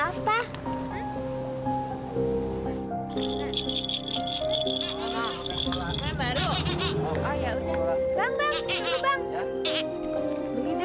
e berapa saja bret